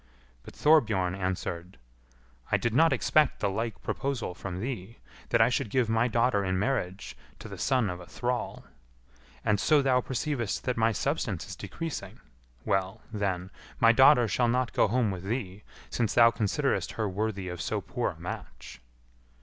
But Thorbjorn answered, "I did not expect the like proposal from thee, that I should give my daughter in marriage to the son of a thrall. And so thou perceivest that my substance is decreasing; well, then, my daughter shall not go home with thee, since thou considerest her worthy of so poor a match."